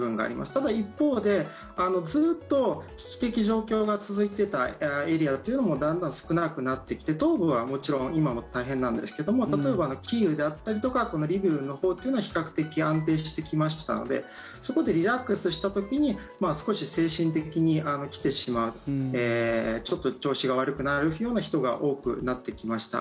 ただ、一方でずっと危機的状況が続いていたエリアというのもだんだん少なくなってきて東部はもちろん今も大変なんですけども例えば、キーウだったりとかリビウのほうというのは比較的安定してきましたのでそこでリラックスした時に少し精神的に来てしまうちょっと調子が悪くなるような人が多くなってきました。